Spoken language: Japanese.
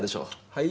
はい？